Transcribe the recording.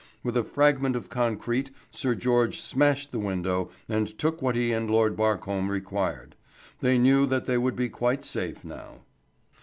With a fragment of concrete Sir George smashed in the window, and took what he and Lord Barcombe required. They knew that they would be quite safe now.